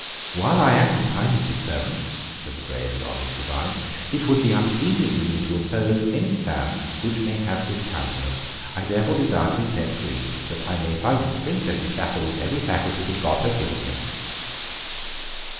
"While I am His Highness's servant," said the brave and honest divine, "it would be unseemly in me to oppose any plan which may have his countenance. I therefore desire to be set free, that I may fight the Princess's battle with every faculty that God has given me."